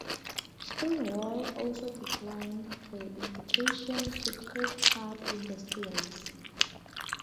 Stonewall also declined the invitation to take part in the series.